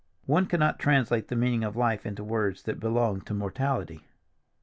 One cannot translate the meaning of life into words that belong to mortality.